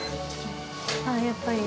あっやっぱり。